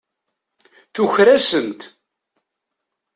Tuker-asent.